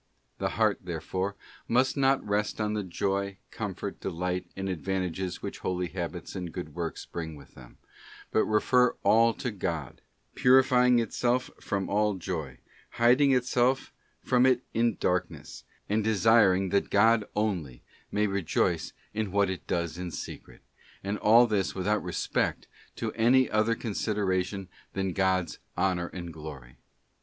The heart, therefore, must not rest on the joy, comfort, delight, and advantages which holy habits and good works bring with them, but refer all to God, purifying itself from all joy, and hiding itself from it in darkness; and desir ing that God only may rejoice in what it does in secret, and all this without respect to any other consideration than God's honour and glory.